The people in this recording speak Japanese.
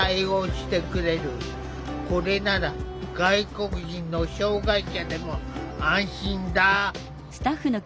これなら外国人の障害者でも安心だ。